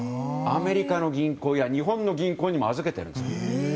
アメリカの銀行や日本の銀行にも預けてるんですよ。